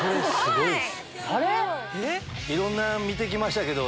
いろんな見て来ましたけど。